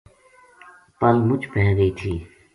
پل مُچ پے گئی تھی